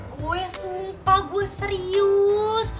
gue sumpah gue serius